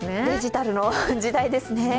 デジタルの時代ですね。